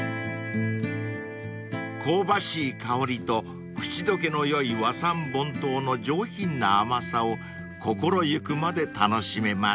［香ばしい香りと口溶けのよい和三盆糖の上品な甘さを心ゆくまで楽しめます］